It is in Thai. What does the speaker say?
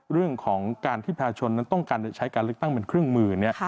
เรื่องของการทิศทางประชุมนั้นต้องการใช้การเลขตั้งเป็นเครื่องมือเนี่ย